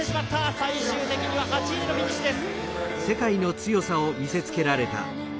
最終的には８位でのフィニッシュです。